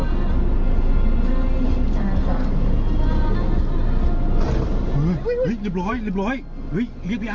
เรียบร้อย